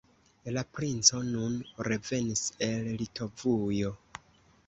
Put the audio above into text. La princo nun revenis el Litovujo.